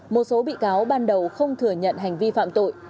một số bị cáo ban đầu không thừa nhận hành vi phạm tội